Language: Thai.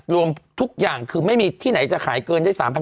รวมทุกอย่างคือไม่มีที่ไหนจะขายเกินได้๓๐๐